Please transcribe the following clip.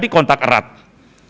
karena kontak terjadi kontak erat